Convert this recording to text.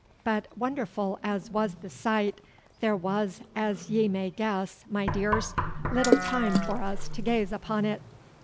But wonderful as was the sight, there was, as ye may guess, my dears, little time for us to gaze upon it.